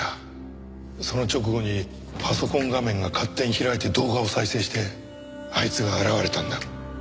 その直後にパソコン画面が勝手に開いて動画を再生してあいつが現れたんだ。